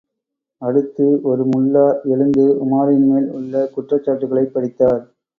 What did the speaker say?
அடுத்து ஒரு முல்லா, எழுந்து உமாரின்மேல் உள்ள குற்றச்சாட்டுகளைப் படித்தார்.